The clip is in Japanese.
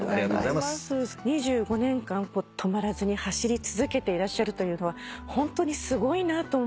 ２５年間止まらずに走り続けていらっしゃるというのはホントにすごいなと思います。